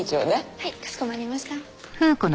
はいかしこまりました。